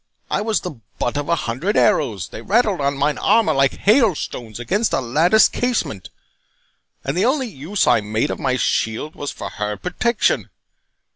I was the butt of a hundred arrows; they rattled on mine armour like hailstones against a latticed casement, and the only use I made of my shield was for her protection.